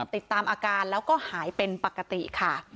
ติดตามอาการแล้วก็หายเป็นปกติค่ะ